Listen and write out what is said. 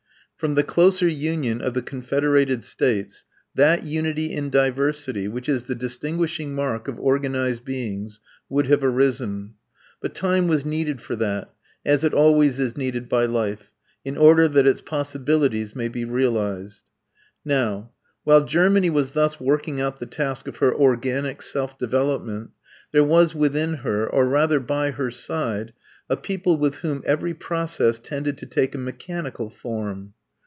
From the closer union of the confederated states that unity in diversity, which is the distinguishing mark of organized beings, would have arisen. But time was needed for that, as it always is needed by life, in order that its possibilities may be realized. Now, while Germany was thus working out the task of her organic self development there was within her, or rather by her side, a people with whom every process tended to take a mechanical form.